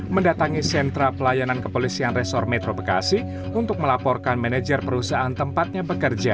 mendatangi sentra pelayanan kepolisian resor metro bekasi untuk melaporkan manajer perusahaan tempatnya bekerja